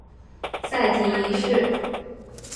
塞提一世。